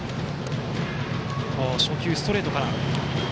初球、ストレートから。